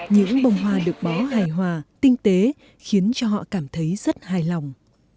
những bông hoa được bó hài hòa tinh tế khiến cho họ cảm thấy rất hài lòng